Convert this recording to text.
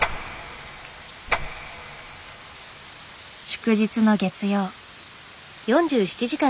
祝日の月曜。